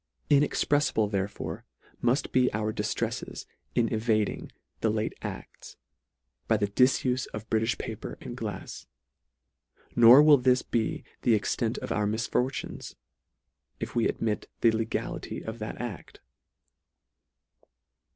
Inexpremble therefore mull: be our di ftreffes in evading the late a6ts, by the dif ufe of Britifh paper and glafs. Nor will this be the extent of our misfortunes, if we ad mit the legality of that act.